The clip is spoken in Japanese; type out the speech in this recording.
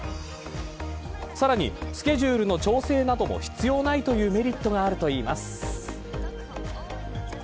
さらにスケジュールの調整なども必要ないというメリットがあるといいます。